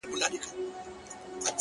ه تا ويل اور نه پرېږدو تنور نه پرېږدو’